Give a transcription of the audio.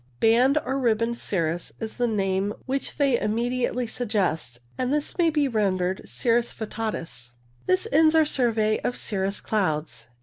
Banded or ribboned cirrus is the name which they BAND CIRRUS 43 immediately suggest, and this may be rendered cirrus vittatus. This ends our survey of cirrus clouds.